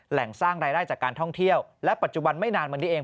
แหล่งสร้างรายได้จากการท่องเที่ยวและปัจจุบันไม่นานมานี้เอง